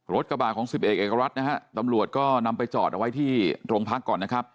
กระบาดของสิบเอกเอกรัฐนะฮะตำรวจก็นำไปจอดเอาไว้ที่โรงพักก่อนนะครับ